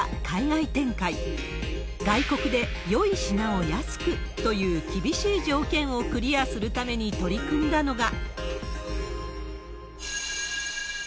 外国で、よい品を安くという厳しい条件をクリアするために取り組んだのが。